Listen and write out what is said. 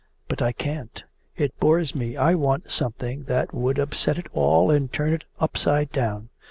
But I can't. It bores me. I want something that would upset it all and turn it upside down.